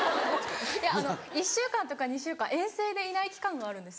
いや１週間とか２週間遠征でいない期間があるんですよ。